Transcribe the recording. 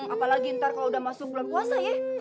apalagi ntar kalau udah masuk bulan puasa ya